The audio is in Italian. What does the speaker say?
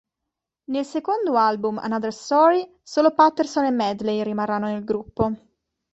Nel secondo album "Another Story" solo Patterson e Medley rimarranno nel gruppo.